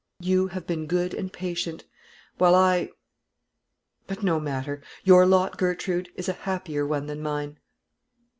You have been good and patient, while I ; but no matter. Your lot, Gertrude, is a happier one than mine."